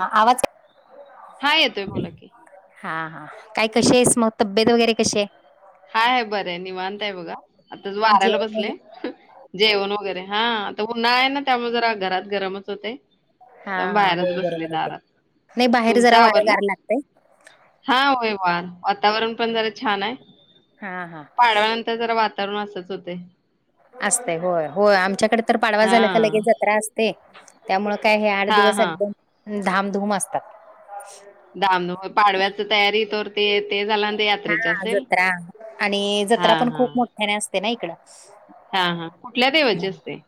हां आवाज हां, येतोय बोला की. हा हा काय कसीयस मग तब्येत वगैरे कशीय? हाय हाय बरंय, निवांत हाय बघा, आताच वाऱ्याला जेवण बसलेय. जेवण वगैरे हां आता उन्हाळा आहे ना त्यामुळे जरा घरात गरमच होतय. हा त्यामुळे हा होय बाहेरच बसले बरोबर आहे ते दारात, नाही बाहेर तुमचं जरा वारं गार आवरलं? लागतय हा होय वार वातावरण पण जरा छान हाय. हां हां. पाडव्यानंतर जरा वातावरण असंच होतय. असते. होय होय. आमच्याकडे तर पाडवा झाला का हां, लगेच जत्रा असते. त्यामुळं काय हे आठ हां, दिवस हां. एकदम धामधूम असतात. धामधूम, पाडव्याच तयारी तवर ते. ते झाल्यान हा जत्रा. आणि जत्रा हां, पण खूप मोठ्याने असते ना इकड. हा हा. कुठल्या देवाची असते?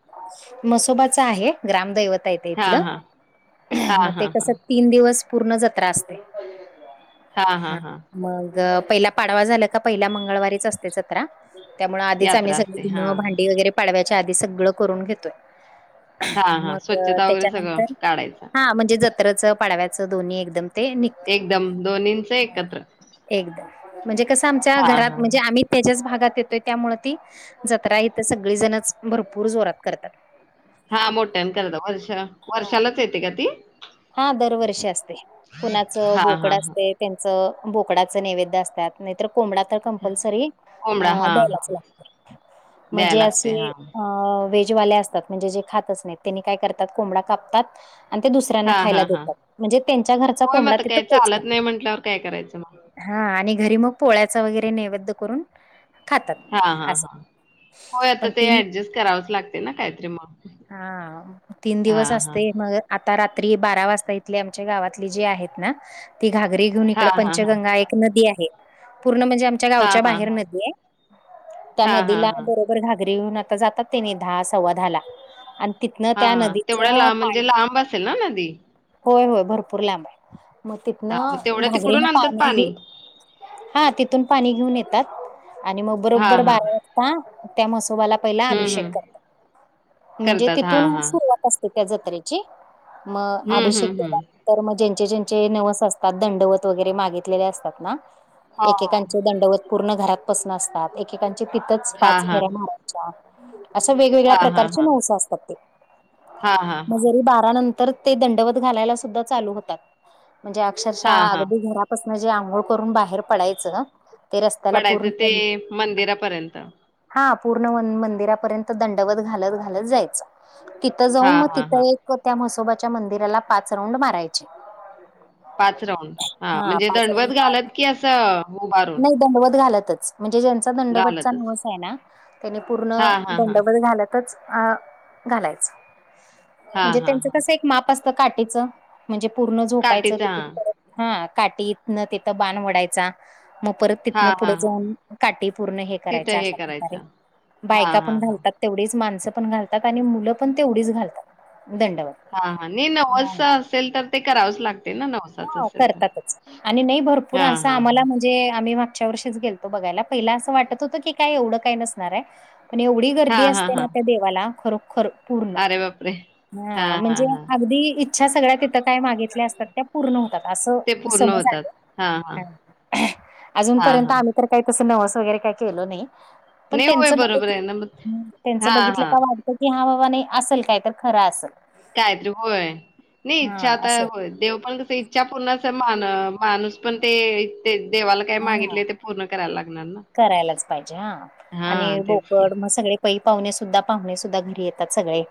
म्हसोबाच आहे. ग्रामदैवत आहेे ते हां, इथलं. हां. हां, मग ते हां, कस हां. तीन दिवस पूर्ण जत्रा असते. हां, हां, हां. तर पहिला पाडवा झालं का, पहिल्या मंगळवारीच असते जत्रा. त्यामुळे आधीच आम्ही यात्रा असते. सहकुटुंब. हां. भांडी वगैरे पाडव्याच्या आधी सगळं करून घेतोय. हा हा मग स्वच्छता वगैरे सगळं त्याच्यानंतर, काढायचा हा म्हणजे जत तरच पाडव्याच दोन्ही एकदम ते निघ एकदम दोन्हींच एकत्र. एकदम. म्हणजे कसं आमच्या हा घरात, हा म्हणजे आम्ही त्याच्याच भागात येते. त्यामुळे ती जत्रा इथ सगळी जणच भरपूर जोरात करतात. हा मोठ्याने करता. वर्ष वर्षालाच येते का ती? हा दरवर्षी असते. कुणाच हा हा बोकडं हा असते. त्यांच बोकडाच नैवेद्य असतात. नाहीतर कोंबडा तर कॅम्पलसरी कोंबडा ह हा हा द्यायलाच लागत. द्याय म्हणजे लागते असे, हा ह. अ व्हेजवाले असतात. म्हणजे जे खातच नाही. त्यांनी काय करतात? कोंबडा कापतात आणि ते दुसर्‍या हा खायला हा हा देतात. म्हणजे त्यांच्या घरचा होय मग कोंबडा आता तिथ काही पोचतात. चालत नाही म्हंटल्यावर काय करायचं मग हा आणि घरी मग पोळ्याचा वगैरे नैवेद्य करून खातात. हा हा असं हा. होय आता पण ते तीन ऍडजस्ट करावंच लागते ना काहीतरी म. हा हा तीन दिवस असते. मग आता रात्री बारा वाजता इथले आमच्या गावातले जे आहेत ना. ती घागरी घेऊन हा इकड हा हा पंचगंगा एक नदी आहे. पूर्ण म्हणजे आम आमच्या हा गावच्या हा बाहेर हा नदी आहे. त्या हा हा नदीला हा [unintelligible] घागरी आता जातात ते. दहा सव्वा दहा ला. आणि तिथनं हा त्या हा तेवढ्या नदीचं लांब पाणी, म्हणजे लांब असेल ना नदी होय होय भरपूर लांबय. मग हा तिथनं मग तेवढ्या तिकडून घागरीन आणतात पाणी घेऊ हा तिथून पाणी घेऊन येतात. आणि मग हा बरोबर हा बारा ता त्या म्हसुबाला पहिला हम्म अभिषेक हम्म कर म्हणजे करतात. हां, तिथून हां. सुरुवात असते त्या जत्रेची. मग हं, अभिषेक हं, हं. केला तर मग ज्यांचे ज्यांचे नवस असतात. दंडवत वगैरे मागितलेले असतात ना. एकेकांचे दंडवत पूर्ण घरात पसन असतात. एकेकांचे तिथंच हां, पाच हां. फेऱ्या मार च्या. अस वेगवेगळ्या हां, हां. प्रकारचे हां, हां, हां. नवस असतात ते. हां, हां, मग हां. जरी बारा नं तर ते दंडवत घालायला सुद्धा चालू होतात. म्हणजे हां, अक्षरशः हां. अगदी घरात पसन जे आंघोळ करून बाहेर पडायचं. ते रस्त्याला पडायचं ते पूर्ण मंदिरापर्यंत. हा पूर्ण मंदिरापर्यंत दंडवत घालत घालत जायचं. तिथं जाऊन हां, मग हां, तिथं हां. एक त्या म्हसोबाच्या मंदिराला पाच राऊंड मारायचे. पाच राऊंड? हा. म्हणजे पाच दंडवत राऊंड घालत की अस? नाही दंडवत घालतच. म्हणजे ज्यांच दंडवतचा घालतच. वसाय ना. त्यानी पूर्ण हां, हां, हां. दंडवत घालत तच अ घालायचं. हां, म्हणजे हां, त्यांच हां. कस एक माप असतं काठीचं. म्हणजे पूर्ण झोपायच काठीचा तिथे. हां. परत हा काठीत तिथं बाण वडायचा. मग परत तिथनं हां, पुढं हां, हां. जाऊन, काठी पूर्ण हे तिथं करायचं हे अशा प्रकारे, करायचं. हां, बायका पण हां, हां. घालतात. तेवढेच माणसं पण घालतात आणि मुलं पण तेवढीच घालतात. दंडवत हा, हा नाही हा नवस असेल तर ते करावंच लागते ना नवस हा करतातच आणि नाही भरपूर हां, असं हां, आम्हाला हां. म्हण जे आम्ही मागच्या वर्षीच गेलतो बघायला, पहिला असं वाटत होतं की काय एवढं काय नसणार हाय पण एवढी गर्दी हां, हां, असते ना हां. त्या देवाला, खरोखर पूर्ण, अरे बापरे! हा हां, म्हणजे हां, हां. अगदी इच्छा सगळ्या तिथं काय मागितल्या असतात त्या पूर्ण होतात, अस ते पूर्ण समज होतात. हां, हां. आहे, अजून हां, पर्यंत हां. आम्ही तर काय तसं नवस वगैरे काय केलो नाही. पण नाही होय त्येचं बरोबर आहे ना मग बघून, त्येचं हां, बघितलं हां. का वाढ की हा बाबा नाही असल काय तर खर असल. कायतरी होय, नाही इच्छा हां, आता असं होय देव पण कस इ च्या पूर्ण मान, माणूस पण ते ते देवाला काय हां, मागितलय ते पूर्ण करायला लागणार ना. करायलाच पाहिजे हा, आणि हां, तेच की. बोकड म सगळे पै पाहुणे सुद्धा, पाहुणे सुुद्धा घरी येतात सगळे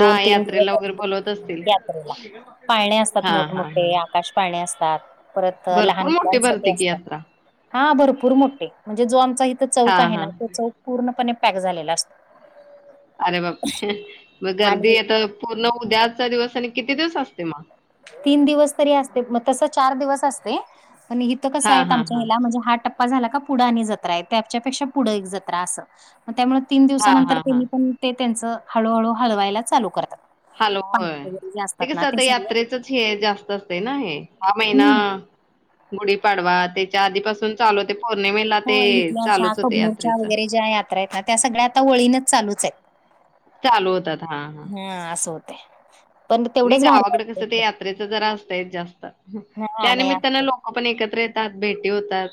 दोन, तीन यात्रेला दिवस वगैरे बोलवत असतील. [unintelligible] यात्रेला पाळणे असतात हां, हां, हां. मोठमोठे आकाश पाळणे असतात. परत लहान भरपूर मोठी मुलांसाठी भरते की असतात, यात्रा. हा भरपूर मोठ ते म्हणजे जो आमचा इथ चौक हां, आहे ना, हां. तो चौक पूर्णपणे पॅक झालेला असतो. अरे बाप रे, मग आणि गर्दी हेत पूर्ण उद्याचा दिवस आणि किती दिवस असते मग? तीन दिवस तरी असते, मग तस चार दिवस असते पण इथं कसं हाय हां, हां, आमच्या हां. ह्येला म्हणजे हा टप् टप्पा झाला का पुढं आणि जत्रा येते, त्याच्यापेक्षा पुढं एक जत्रा असं मग त्यामुळ तीन हां, दिवसानंतर हां, हां. त्येनी पण ते त्येचं हळूहळू हलवायला चालू करतात. हाल, पाट होय वगैरे जे ते असतात ना कसं आता सगळे यात्रेचच फेर जास्त असते ना हे, हा महिना हम्म गुढीपाडवा त्याच्या आधीपासून चालू होतय, पौर्णिमेला हो ते चालूच होते यात्रेच तर त्या सगळ्या आता वळीने चालूच आहेत, चालू होतात हा हा अस होत त्या. नाही गावाकडे कस ते यात्रेच जरा असतय जास्त, हा त्या नाही निमित्ताने लोक आपण एकत्र येतात भेटी होतात.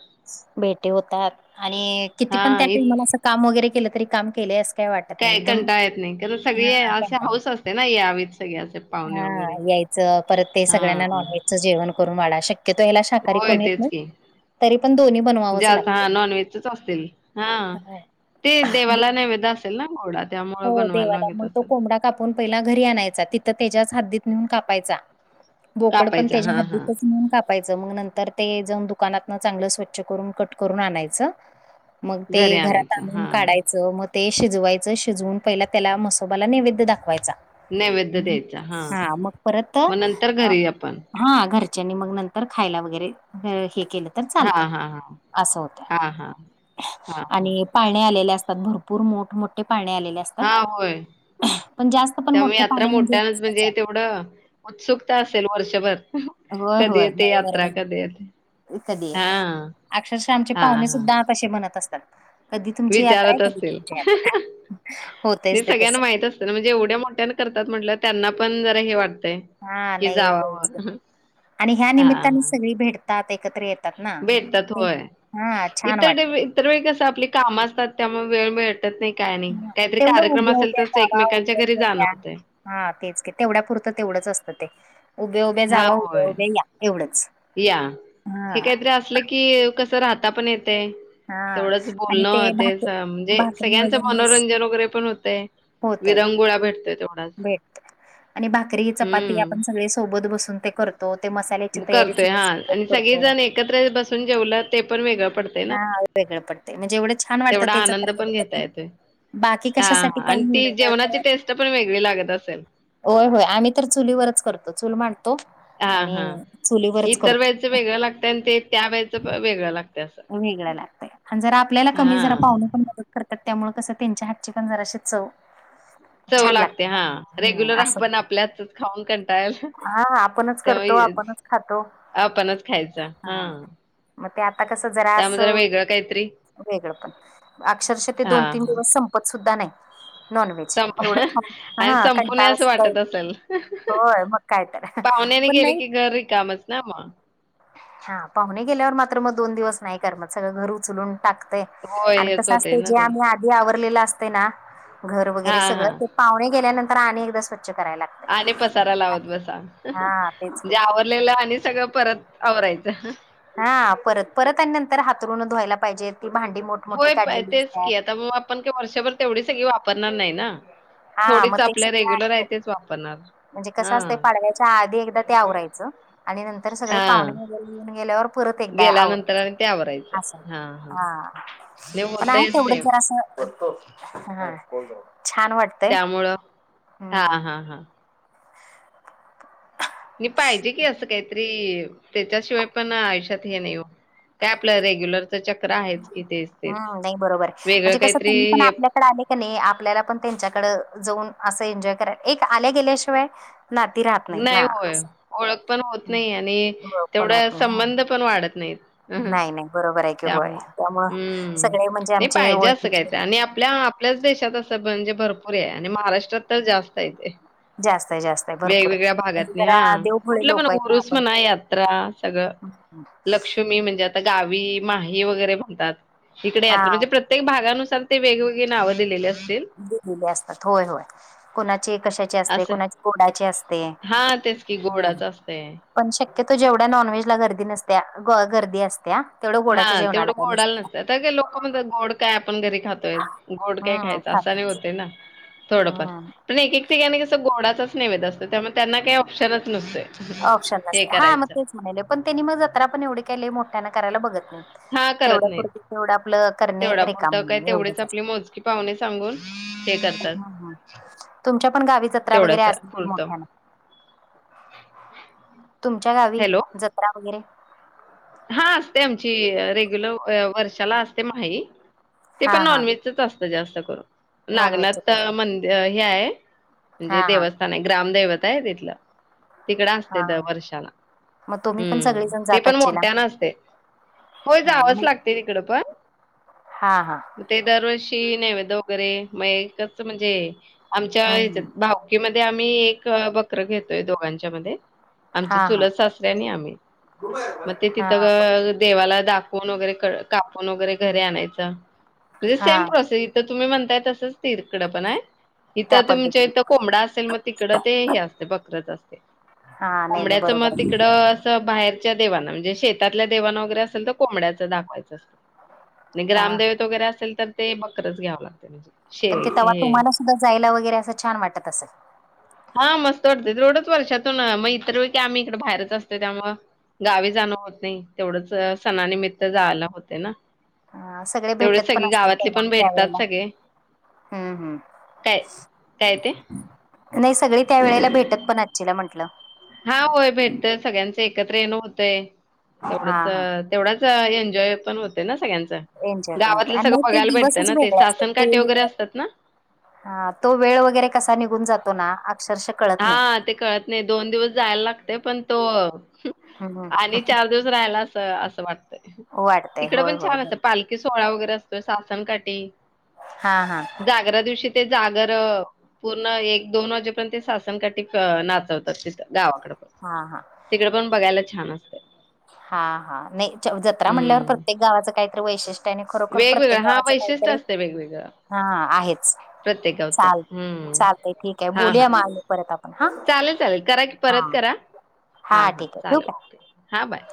भेटी होतात आणि किती हा पण त्या इ टाईमाला अस काम वगैरे केलं तरी काम केले अस काही कंटाळा येत नाही, कारण सगळे हा असे हाऊस असते ना यावीत सगळे असे. ह पाहुणे वगैरे. यायचं परत ते हा सगळ्यांना नॉनव्हेजचं जेवण करून वाढा श क्यतो ह्याला शाकाहारी होय कोण येत तेच नाहीत की. जास्त हा नॉन व्हेजच असतील हा. हो. ते देवाला नैवेद्य असेल ना गोडात? हो देवाला मग तो कोंबडा कापून पहिला घरी आणायचा, तिथं त्येज्याच हद्दीत नेऊन कापायचा. बोकड पण कापायचा त्येज्या हा हा हद्दीतच नेऊन काप पायच मग नंतर ते जाऊन दुकानातन चांगलं स्वच्छ करून कट करून आणायच. मग ते घरी घरात आणायचा आणून हा काढायचं मग ते शिजवायचं शिजवून पहिला त्याला म्हसोबाला नैवेद्य दाखवायचा. नैवेद्य द्यायचा हा मग परत मग नंतर अ घरी आपण हा घरच्यांनी मग नंतर खायला वगैरे अ हे केलं तर हा चालतय हा हा अस होतय हा हा. हा हा आणि पाळणे आलेले असतात, भरपूर मोठमोठे पाळणे आलेले आस तात, हा होय पण जास्त पण त्यामुळे मोठे यात्रा पाळणे म्हणजे मोठ्यानच तेवढं उत्सुकता असेल वर्षभर? होय कधी होय येते नाही यात्रा कधी येते. बरोबरये, कधी हा येतय अक्षरशा आमचे हा पाहुणे हा सुद्धा तशे म्हणत असतात, कधी तुमची यात्राय विचारत कधी असतील. तुमची यात्राय? होतेच ते तसं. ते जेवढ्या मोठ्याने करतात म्हंटल्यावर त्यांना पण जरा हे वाटतंय. हा कि नाही यायच, जावावं आणि ह्या निमित्ताने हां सगळी भेटतात एकत्र ये भेटतात होय, छान इतर डे वाटतं. वे इतर वेळी कसं आपली काम असतात त्यामुळे वेळ भे टत नाही काय नाही हां, काहीतरी तेवढं कार्यक्रम असेल तरच एकमेकांच्या घरी जाणं होतय. हा तेच की तेवढ्या पुुरतं तेवढंच असतं ते, उभ्या उभ्या हां जावा उभ्या होय उभ्या या एवढंच. या, हे हां, काहीतरी असलं की कसं राहता पण येतय. हां तेवढंच आणि बोलणं ते भाक असं म्हणजे भाकरी सगळ्यांचं वगैरे मनोरंजन वगैरे पण होतय. होतंय, विरंगुळा भेटतय तेवढाच. भेटतं, आणि भाकरी चपाती हम्म. आपण सगळे सोबत बसून ते करतो ते मसाले, मग करतोय हा आणि सगळेजण एकत्र बसून जेवलं ते पण वेगळं पडतंय ना. हा वेगळं पडतय म्हणजे एवढं छान वाटत तेवढा तेच आनंद पण घेता [inaudible] येतोय. बाकी कशासाठी काय म्हणल का तर ते पण वेगळे लागत असल? होय होय आम्ही तर चुलीवरच करतो चूल मांडतो, आणि चुलीवरच करतो. ते वेगळं लागतेय आणि ते त्या वळेच वेगळं लागतेय. वेगळं लागतंय आणि जरा आपल्याला कमी जरा हा पाव्हणं पण मदत, करतात त्यामुळे कसं त्यांच्या हातची पण जराशीे चव. चव छान लागते ना. हा हं, रेग्युलर असं. आपण आपल्या हातचच खाऊन कं टाळलो, हां, आपणच करतो, त्यामुळे आपणच खातो. आपणच खायच हा. हां, मग ते आता कसं जरा त्यामुळे असं, वेगळं काहीतरी वेगळं पण अक्षरशः ते हा दोन तीन हा दिवस संप त सुद्धा नाही. नॉनव्हेज संप एवढं खाऊन आणि हा संपूनय कंटाळा असं सुद्धा वाटत येत, असेल होय मग काय तर, पाहुण्याने पण गेले नाही की घर रिकामच ना मग. हा पाहुणे गेल्यावर मात्र मग दोन दिवस नाही करमत सगळं घर उचलून टाकतय. होय आणि हेच कसं होतय असतय ना जे ते आम्ही आ जे आवरलेलं असतय ना, घर हा वगैरे सगळं हा ते पाहुणे गेल्यानंतर आणि एकदा स्वच्छ करायला लागत. आणिक पसारा लावत बसा, तेच की जे आवर लेल आणि सगळं परत आवरायचं. हा परत परत आणि नंतर हातरुूनं धुवायला पाहिजेत. होय पाहय तेच की आता मग आपण वर्षभर तेवढी सगळी वापरणार नाही ना. हा मग थोडीच ते आपले सगळं रेग्युलर आणि आहे तेच वापरणार. म्हणजे हा कसं असतय पाडव्याच्या आधी एकदा ते आवरायचं आणि नंतर सगळे पाहुणे हा वगैरे येऊन गेल्यावर, परत एकदा गेल्यानंतर आणि ते आवरायचं असं, आवरायचं हा हा नाही पण आहे होतयच ते तेवढंच जरा असं हा छान वाटतं. त्यामुळं हा हा हा नी पाहिजे की असं काहीत री त्याच्याशिवाय पण आयुष्यात हे नाही काय आपलं रेग्युलर, तो चक्र आ हम्म नाही बरोबर ये म्हणजे कस काहीतरी त्यांही पण हे आपल्याकडं आले, क नाही आपल्याला पण त्यांच्याकड जाऊन असं एन्जॉय करा एक आल्या गेल्याशिवाय, नाती राहत नाहीत नाही ना होय असं ओळख पण होत हम्म. नाही आणि हो, पण तेवढा होत नाही हं. संबंध पण वाढत नाहीत. अ नाही नाही बरोबर आहे की होय त्यामु त्यामुळं हम्म सगळे म्हणजे नाही आमचे पाहिजे असं ओळखीचे कायच आणि आपल्या? आपल्याच देशात असं म्हणजे भरपूर आहे आणि महाराष्ट्रात तर जास्त आहे तेे? जास्तय जास्त आहे भरपूर आहे वेगवेगळ्या म्हणजे भागातनी जरा हा देवभोळे कुठलं पण लोक आहेत ना उरूस आपण म्हणा यात्रा सगळं. लक्ष्मी म्हणजे आता गावी माही वगैरे म्हणतात इकडे हा यात्रा म्हणजे प्रति प्रत्येक भागा नुसार वेगवेगळी नावं दिलेली अस दिलेले असतात होय होय कुणाचे कशाचे असते असं कुणाचे कोडाचे असते. ते हां तेच की ह. गोडाच असतंय. पण शक्यतो जेवढ्या नॉनव्हेज ला गर्दी नसत्या ग गर्दी असत्या. तेवढं गोडाच्या जेवणाला काय नसत का [unintelligible] लोक म्हण गोड काय आपण घरी खातोयच? गोड काय हम्म खायचं अस आणि नाही खातच हुतय ना थोडंफार हम्म पण एक एक ठिकाणी कसं गोडाच नेव्यध असतो. तर त्यामुळे त्यांना काही ऑप्शनच नसतोय हे करायचं. म्हले पण त्यांनी मग जत्रा पण एवढे काय लय मोठ्यान करायला बघत नाही. हां, करत तेवढ्या नाहीत. पुढत तेवढं आपलं करणे रेिका म्हणणे एवढं असतय? ही पाहुणेच. ह हम तुमच्या पण गावी जत्रा वगैरे तेवढ्यास असतील की पुरतं. मोठ्याने, तुमच्या गावी जत्रा वगैरे? हा असते आमची रेग्युलर वर्षाला असते माही ते हा पण हा नॉन व्हेजच असते जास्त करू नागनाथ नॉनव्हेजच मंदिर हे आहे हा म्हणजे हा देवस्थान. नाही ग्रामदैवत आहे तिथलं. तिकड असते हा दर वर्षाला मग तुम्ही पण हम्म सगळेजण ते जात पण मो आचीला हो जावंच लागते तिकड पण, हां हां ते दरवर्षी नैवेद वगैरे मग एकच म्हणजे आमच्या हम्म हेच्यात भाऊ मध्ये आम्ही एक बकर घेतोय दोघांच्या मध्ये, हा आमचे हा चुलत सासऱे आणि आम्ही मग ते हा तिथं देवाला दाखव [unintelligible] वगैरे कापून वगैरे घरीे आणायच म्हणजे सेम हा प्रोसेस इथं तुम्ही म्हणताय तसंच तीरकडं पण आहे इथं त्या तुमच्या पद्धतीने इथं. कोंबडा असेल मग तिकडं ते हे असते बकरच असते हा नाही नाही कोंबड्याचं मग बरोबर आहे तिकड बाहेरच्या देवाना म्हणजे शेतातल्या देवांना वगैरे असेल तर कोंबड्याचं दाखवायचं. म्ह [unintelligible] हा ग्रामदेवेत वगैरे असेल तर ते बकरच घ्यावं लागत. तर ते तवा तुम्हाला सुद्धा जायला वगैरे असं छान वाटत असल. हा मस्त वाटते तेथवढंच वर्षातून मग इतर वेळी आम्ही इकडे बाहेरच असतो त्यामुळ, गावी जाणं होत नाही तेवढंच सणानिमित्त जायला हुतय ना, अ सगळे तेवढचं भेटत पण सगळे असतील गावातले तेव्हा पण भेटतात त्यावेेळेला सगळे, हम्म हम्म काय काय ते? नाही सगळी त्या वेळेला भेटत पण आशिला म्हटलं. हा होय भेटतय सगळ्यांचं एकत्र येण होतय हा तेवढंच, हा तेवढाच एन्जॉय पण होते ना सगळ्यांचा, एन्जॉय पण होते गावातलं आणि सगळं नाही ते बघायला भेटतं दिवसच ना ते वेगळे असतात सासन ते काटे वगैरे असतात ना, हा तो वेळ वगैरे कसा निघून जातो ना अक्षरशः कळत नाही हा ते कळत नाही दोन दिवस जायला लागते पण तो हम्म आणि चार दिवस राहायला असं वाटत वाटतय तिकडं होय पण छान होय अस पाल ते सोळा वगैरे असतो सासनकाठी हां हां. जागरा दिवशी ते जागर पूर्ण एक दोन वाजेपर्यंत सासन न काटी नाचवतात तिथं गावाकडं पण. हा हा. तिकडे पण बघायला छान असते. हा हा, नाही ज जत्रा म्हटल्यावर हं. प्रत्येक गावाचं काहीतरी वैशि ष्ट्यने खरोखर वेगवेगळं प्रत्येक हा गावाचं वैशिष्ट्य काहीतरी असते वेगवेगळं हा आहेचं. प्रत्येक गावचं चाल हम्म चालतंय ठीक आहे. हा हा बोलूया मग अजून परत आपण चालेल चालेल करा की हा? हा परत करा. हा हां ठीक आहे ठेवू का चालेल. ओके हा बाय,